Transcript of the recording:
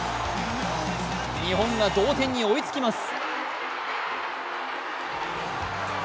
日本が同点に追いつきます。